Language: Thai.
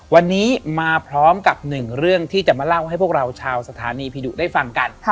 วันนี้มาพร้อมกับหนึ่งเรื่องที่จะมาเล่าให้พวกเราชาวสถานีผีดุได้ฟังกัน